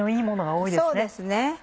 そうですね。